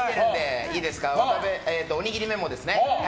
おにぎりメモですね。